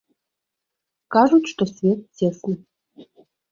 Кажуць, што свет цесны.